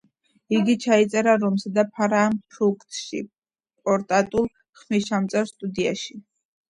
იგი ჩაიწერა რომსა და ფრანკფურტში, პორტატულ ხმისჩამწერ სტუდიაში.